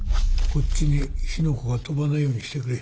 こっちに火の粉が飛ばないようにしてくれ。